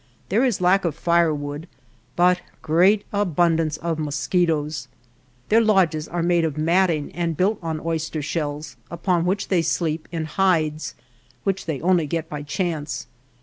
There is lack of firewood, but great abundance of mos quitoes. Their lodges are made of matting and built on oyster shells, upon which they sleep in hides, which they only get by chance.